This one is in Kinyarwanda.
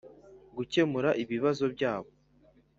gukemura ibibazo byabo,